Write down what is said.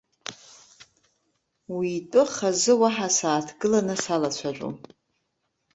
Уи итәы хазы уаҳа сааҭгылаы салацәажәом.